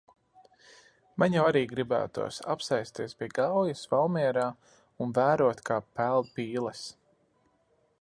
Man jau arī gribētos apsēsties pie Gaujas Valmierā un vērot kā peld pīles.